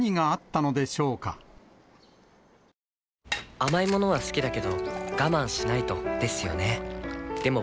甘い物は好きだけど我慢しないとですよね